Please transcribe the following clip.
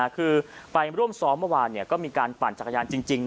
คือไปร่วมซ้อมเมื่อวานก็มีการปั่นจักรยานจริง